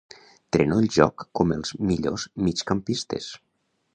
Treno el joc com els millors migcampistes.